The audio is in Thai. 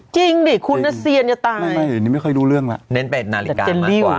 จริงดิคุณนัทเซียนจะตายจนเรียว